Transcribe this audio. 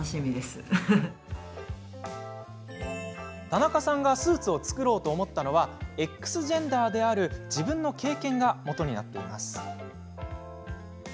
田中さんがスーツを作ろうと思ったのはＸジェンダーである自分の経験がもとになっています。